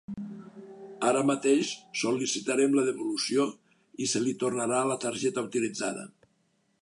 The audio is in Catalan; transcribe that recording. Ara mateix sol·licitarem la devolució i se li tornarà a la targeta utilitzada.